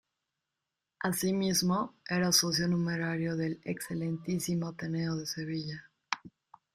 Así mismo, era socio numerario del Excelentísimo Ateneo de Sevilla.